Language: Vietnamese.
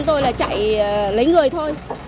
tôi là chạy lấy người thôi